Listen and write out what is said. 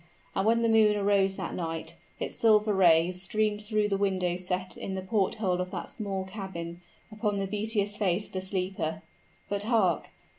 And when the moon arose that night, its silver rays streamed through the window set in the porthole of that small cabin, upon the beauteous face of the sleeper. But hark!